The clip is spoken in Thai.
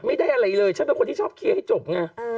ไม่ได้อะไรเลยฉันเป็นคนที่ชอบเคลียร์ให้จบไง